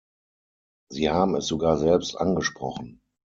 Sie haben es sogar selbst angesprochen.